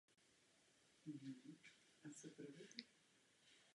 Základem humanismu bylo literárně orientované vzdělání.